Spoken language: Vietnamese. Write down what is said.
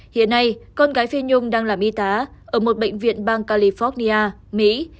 hiện nay con gái phi nhung đang làm y tá ở một bệnh viện bang california mỹ